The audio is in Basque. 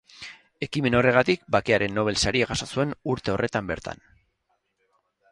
Ekimen horrengatik Bakearen Nobel saria jaso zuen urte horretan bertan.